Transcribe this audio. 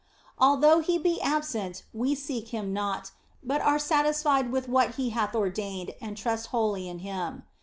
Although He be absent we seek Him not, but are satisfied with what He hath ordained and trust wholly in Him.